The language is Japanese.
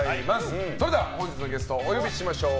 それでは本日のゲストをお呼びしましょう。